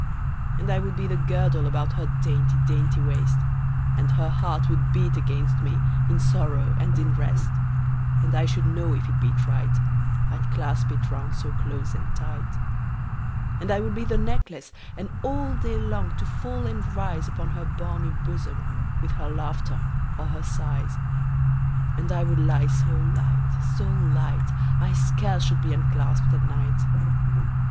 And I would be the girdle About her dainty dainty waist, And her heart would beat against me, In sorrow and in rest: 10 And I should know if it beat right, I'd clasp it round so close and tight. And I would be the necklace, And all day long to fall and rise Upon her balmy bosom, 15 With her laughter or her sighs: And I would lie so light, so light, I scarce should be unclasp'd at night.